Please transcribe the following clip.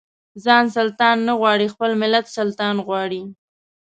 ځان سلطان نه غواړي خپل ملت سلطان غواړي.